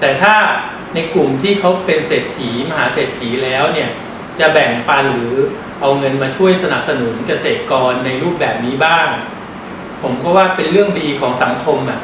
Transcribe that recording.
แต่ถ้าในกลุ่มที่เขาเป็นเศรษฐีมหาเศรษฐีแล้วเนี่ยจะแบ่งปันหรือเอาเงินมาช่วยสนับสนุนเกษตรกรในรูปแบบนี้บ้างผมก็ว่าเป็นเรื่องดีของสังคมอ่ะ